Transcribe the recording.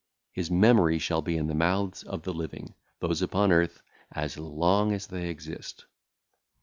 His memory shall be in the mouths of the living, those upon earth, as long as they exist.